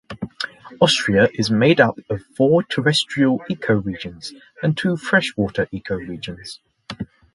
Austria is made up of four terrestrial ecoregions and two freshwater ecoregions.